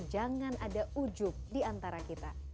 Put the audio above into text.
jangan ada ujuk diantara kita